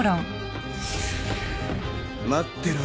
待ってろよ